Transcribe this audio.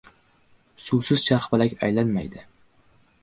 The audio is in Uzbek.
• Suvsiz charxpalak aylanmaydi.